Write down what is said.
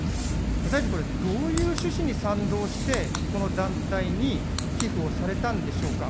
大臣、これ、どういう趣旨に賛同して、この団体に寄付をされたんでしょうか。